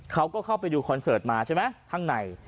เขาก็เข้าไปดูคอนเสิร์ตมาใช่ไหมข้างใน